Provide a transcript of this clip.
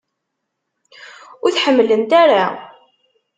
Ur t-ḥemmlent ara?